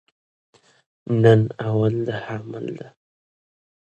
نن اول د حمل ده